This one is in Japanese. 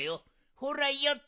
ほらよっと！